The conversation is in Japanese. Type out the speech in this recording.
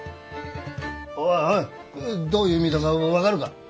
おいおいどういう意味だか分かるか？